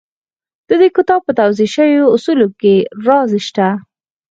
د دې کتاب په توضيح شويو اصولو کې راز شته.